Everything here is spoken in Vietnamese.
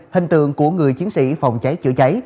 hình tượng của người chiến sĩ phòng cháy chữa cháy